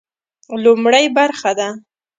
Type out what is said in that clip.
لومړۍ برخه ده.